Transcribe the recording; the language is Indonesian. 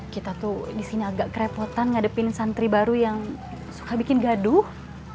kita tuh disini agak kerepotan ngadepin santri baru yang suka bikin gaduh